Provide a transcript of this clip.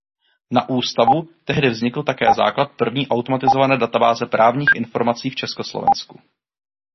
Na ústavu tehdy vznikl také základ první automatizované databáze právních informací v Československu.